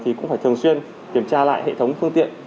thì cũng phải thường xuyên kiểm tra lại hệ thống phương tiện